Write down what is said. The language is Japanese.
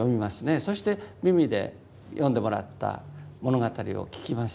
そして耳で読んでもらった物語を聞きます。